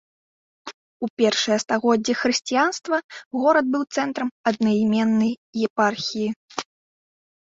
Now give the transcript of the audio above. У першыя стагоддзі хрысціянства горад быў цэнтрам аднайменнай епархіі.